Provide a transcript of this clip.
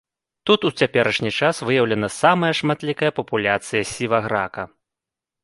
Тут у цяперашні час выяўлена самая шматлікая папуляцыя сіваграка.